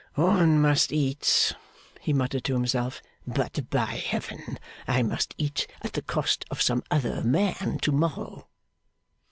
'One must eat,' he muttered to himself, 'but by Heaven I must eat at the cost of some other man to morrow!